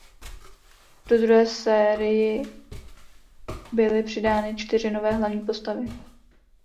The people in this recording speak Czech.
Do druhé sérii byly přidány čtyři nové hlavní postavy.